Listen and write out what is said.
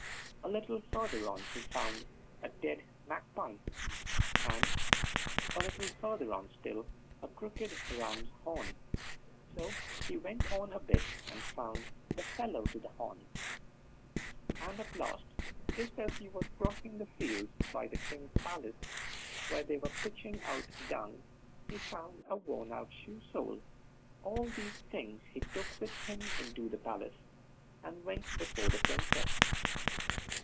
A little farther on he found a dead magpie, and a little farther on still, a crooked ram's horn; so he went on a bit and found the fellow to the horn; and at last, just as he was crossing the fields by the king's palace, where they were pitching out dung, he found a worn out shoe sole. All these things he took with him into the palace, and went before the Princess.